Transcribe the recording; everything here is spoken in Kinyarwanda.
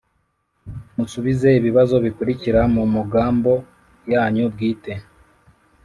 musubize ibibazo bikurikira mu mugambo yanyu bwite